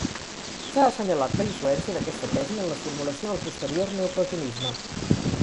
S'ha assenyalat la influència d'aquesta tesi en la formulació del posterior neoplatonisme.